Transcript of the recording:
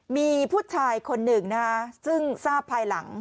มีผู้ชายคนหนึ่งนะฮะซึ่งทราบภายหลัง